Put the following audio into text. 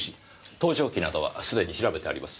盗聴器などはすでに調べてあります。